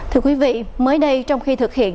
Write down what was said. thưa quý vị mới đây trong khi thực hiện